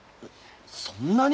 そんなに？